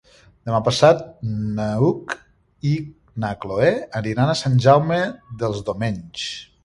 Demà passat n'Hug i na Cloè aniran a Sant Jaume dels Domenys.